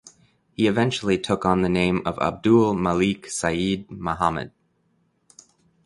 He eventually took on the name of Abdul Malik Sayyid Muhammad.